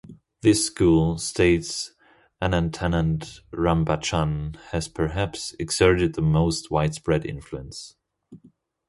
This school, states Anantanand Rambachan, has "perhaps exerted the most widespread influence".